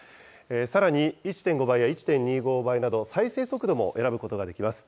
さらに１．５倍や１．２５倍など、再生速度も選ぶことができます。